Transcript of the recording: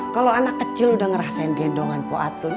kalau anak kecil udah ngerasain gendongan poatun